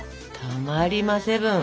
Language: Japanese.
たまりまセブン！